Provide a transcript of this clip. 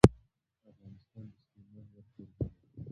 افغانستان د سلیمان غر کوربه دی.